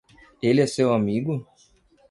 Ele é seu amigo?